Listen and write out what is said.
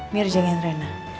mir jagain rena